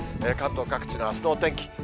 関東各地のあすのお天気。